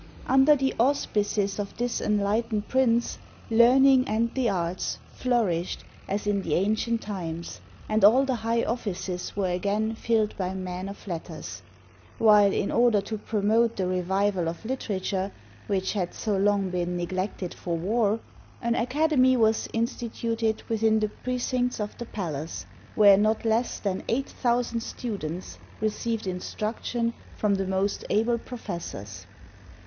Under the auspices of this enlightened prince, learning and the arts flourished as in the ancient times, and all the high offices were again filled by men of letters; while, in order to promote the revival of litera ture, which had so long been neglected for war, an aca demy was instituted within the precincts of the palace, where not less than eight thousand students received in struction from the most able professors.